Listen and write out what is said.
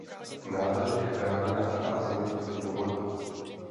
Nádrž je chráněna hrázemi proti povodním.